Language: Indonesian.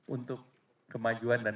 untuk kemajuan dan